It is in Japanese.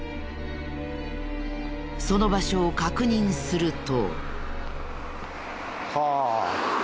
その場所を確認すると。